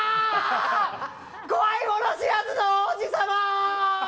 怖いもの知らずの王子様！